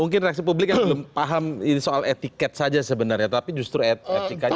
mungkin reaksi publik yang belum paham ini soal etiket saja sebenarnya tapi justru etikanya